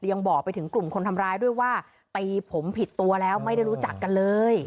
ยังบอกไปถึงกลุ่มคนทำร้ายด้วยว่าตีผมผิดตัวแล้วไม่ได้รู้จักกันเลย